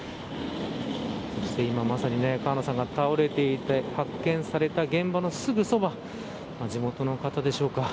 そして今まさに川野さんが倒れていて発見された現場のすぐそば地元の方でしょうか。